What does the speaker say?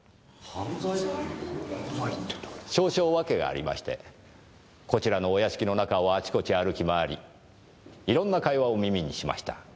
少々訳がありましてこちらのお屋敷の中をあちこち歩き回りいろんな会話を耳にしました。